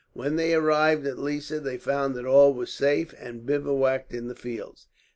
When they arrived at Lissa they found that all was safe, and bivouacked in the fields.